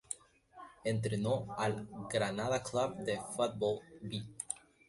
Entrenó al Granada Club de Fútbol "B".